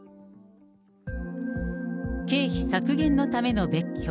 経費削減のための別居。